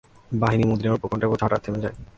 বাহিনী মদীনার উপকণ্ঠে পৌঁছে হঠাৎ থেমে যায়।